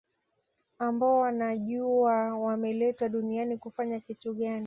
ambao wanajua wameletwa duniani kufanya kitu gani